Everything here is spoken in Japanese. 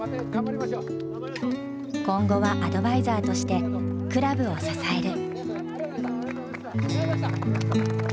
今後はアドバイザーとしてクラブを支える。